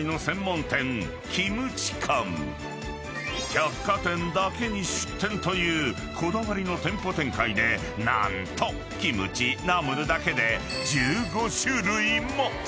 ［百貨店だけに出店というこだわりの店舗展開で何とキムチナムルだけで］